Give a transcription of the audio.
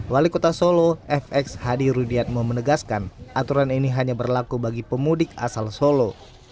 wali kota solo fx hadi rudiatmo menegaskan aturan ini hanya berlaku bagi pemudik asal solo